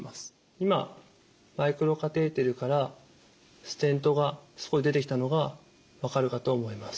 今マイクロカテーテルからステントがそこへ出てきたのが分かるかと思います。